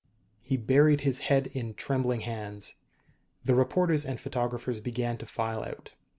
He buried his head in trembling hands. The reporters and photographers began to file out.